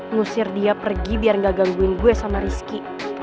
ngusir dia pergi biar nggak gangguin gue sama rizky